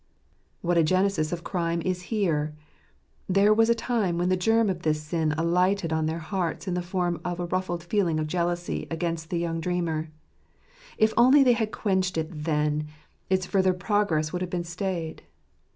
What a genesis of crime is here f There was a time when the germ of this sin alighted on their hearts in the form of a ruffled feeling of jealousy against the young dreamer. If only they had quenched it then, its further progress would have been stayed.